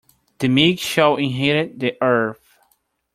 The meek shall inherit the earth.